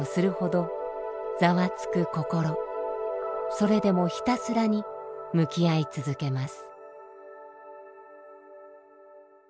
それでもひたすらに向き合い続けます。